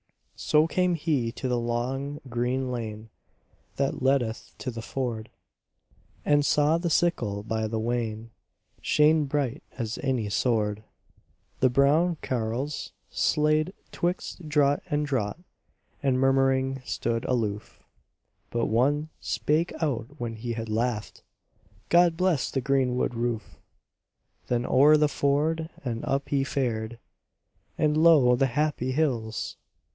So came he to the long green lane That leadeth to the ford, And saw the sickle by the wain Shine bright as any sword. The brown carles stayed 'twixt draught and draught, And murmuring, stood aloof, But one spake out when he had laughed: "God bless the Green wood Roof!" Then o'er the ford and up he fared: And lo the happy hills!